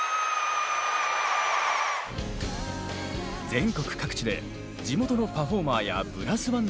全国各地で地元のパフォーマーやブラスバンドと共演。